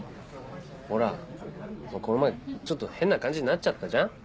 ほらこの前ちょっと変な感じになっちゃったじゃん？